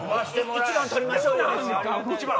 一番取りましょうよ。